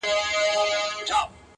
• کليوال ژوند بدل ښکاري ظاهراً..